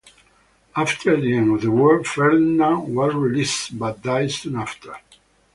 After the end of the war, Ferdinand was released but died soon after.